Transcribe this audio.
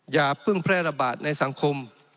อย่าเพิ่งแพร่ระบาดในสังคม